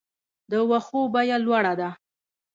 د واښو بیه لوړه ده؟